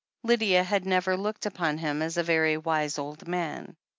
Lydia had never looked upon him as a very wise old man.